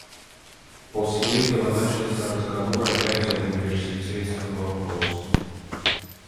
После этого начался разговор опять об университетском вопросе.